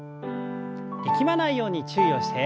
力まないように注意をして。